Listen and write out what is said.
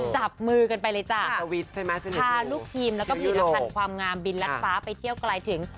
จับมือกันไปเลยจ้าอ่าวิทย์ใช่ไหมใช่ไหมภาลุกทีมแล้วก็ผีตอาหารความงามบินรัดฟ้าไปเที่ยวกลายถึง